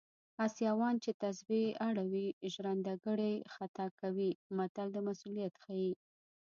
اسیاوان چې تسبې اړوي ژرندګړی خطا کوي متل د مسوولیت ښيي